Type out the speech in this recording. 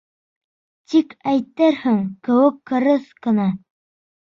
Тик әйтерһең кеүек ҡырыҫ ҡына: